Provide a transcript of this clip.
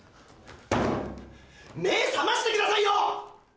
目ぇ覚ましてくださいよ！